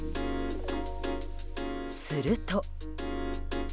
すると。